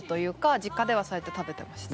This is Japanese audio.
実家ではそうやって食べてました。